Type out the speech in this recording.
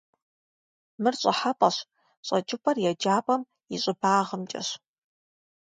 Мыр щӏыхьэпӏэщ, щӏэкӏыпӏэр еджапӏэм и щӏыбагъымкӏэщ.